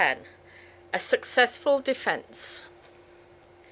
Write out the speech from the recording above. A SUCCESSFUL DEFENCE.